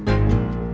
saya pergi dulu